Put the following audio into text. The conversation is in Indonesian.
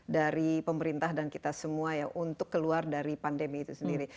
dari pemerintah dan kita semua ya untuk keluar dari pandemi itu sendiri